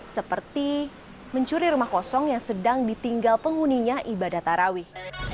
seperti mencuri rumah kosong yang sedang ditinggal penghuninya ibadah tarawih